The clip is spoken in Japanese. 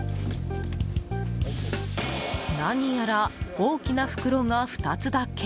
何やら大きな袋が２つだけ。